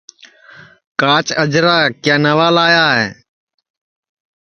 کاچ اجرا کیا نئوا لایا